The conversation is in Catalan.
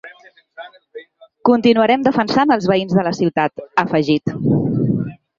Continuarem defensant els veïns de la ciutat, ha afegit.